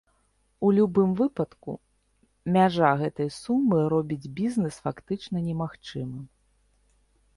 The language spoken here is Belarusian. У любым выпадку, мяжа гэтай сумы робіць бізнэс фактычна немагчымым.